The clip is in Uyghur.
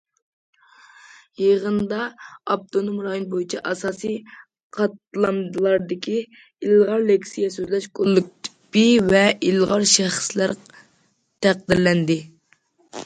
يىغىندا، ئاپتونوم رايون بويىچە ئاساسىي قاتلاملاردىكى ئىلغار لېكسىيە سۆزلەش كوللېكتىپى ۋە ئىلغار شەخسلەر تەقدىرلەندى.